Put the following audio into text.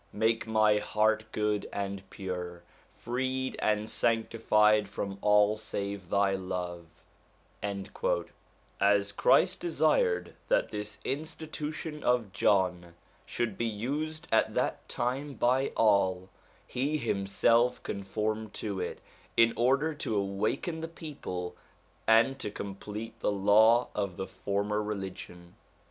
make my heart good and pure, freed and sanctified from all save thy love/ As Christ desired that this institution of John should be used at that time by all, he himself conformed to it in order to awaken the people and to complete the law of the former religion.